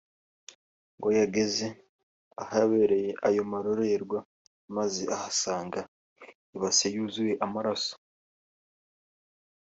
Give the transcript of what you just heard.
ngo yageze ahabereye aya marorerwa maze ahasanga ibase yuzuye amaraso